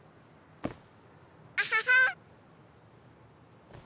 アハハ。